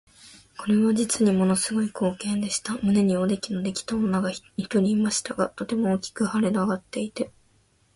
これは実にもの凄い光景でした。胸におできのできた女が一人いましたが、とても大きく脹れ上っていて、